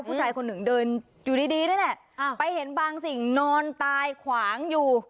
ผู้ชายคนหนึ่งเดินอยู่ดีดีนี่แหละไปเห็นบางสิ่งนอนตายขวางอยู่